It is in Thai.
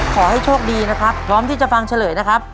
ขอให้โชคดีนะครับพร้อมที่จะฟังเฉลยนะครับ